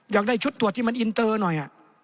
อยากได้ชุดตรวจที่มันอินเตอร์หน่อย